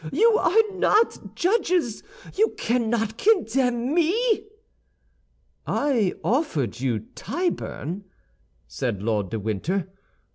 You are not judges! You cannot condemn me!" "I offered you Tyburn," said Lord de Winter.